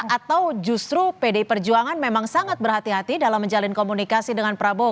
atau justru pdi perjuangan memang sangat berhati hati dalam menjalin komunikasi dengan prabowo